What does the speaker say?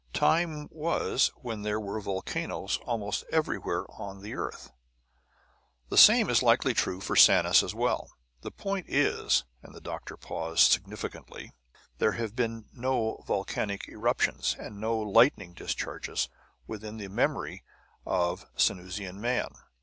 Time was when there were volcanoes almost everywhere on the earth. "The same is likely true of Sanus as well. The point is," and the doctor paused significantly, "there have been no volcanic eruptions, and no lightning discharges within the memory of Sanusian man!"